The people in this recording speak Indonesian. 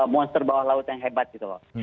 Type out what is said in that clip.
monster bawah laut yang hebat gitu loh